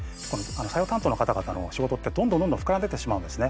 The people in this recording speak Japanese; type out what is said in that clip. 採用担当の方々の仕事ってどんどんどんどん膨らんでってしまうんですね。